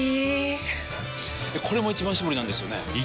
これも「一番搾り」なんですよね